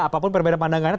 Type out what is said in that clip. apapun perbedaan pandangannya